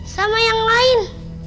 sama yang lain